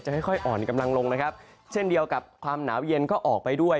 ค่อยอ่อนกำลังลงนะครับเช่นเดียวกับความหนาวเย็นก็ออกไปด้วย